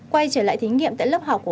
quay trở lại thí nghiệm tại lớp học